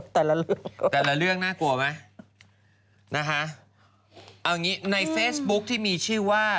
แต่ละแต่ละเรื่องน่ากลัวไหมนะคะเอางี้ในเฟซบุ๊คที่มีชื่อว่า